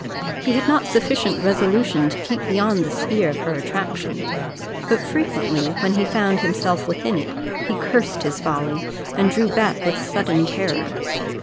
He had not sufficient resolution to keep beyond the sphere of her attraction; but, frequently, when he found himself within it, he cursed his folly, and drew back with sudden terror.